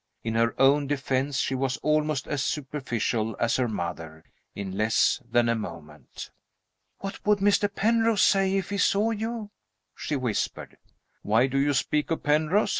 In her own defense she was almost as superficial as her mother, in less than a moment. "What would Mr. Penrose say if he saw you?" she whispered. "Why do you speak of Penrose?